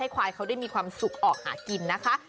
ควายเขาได้มีความสุขออกหากินนะคะ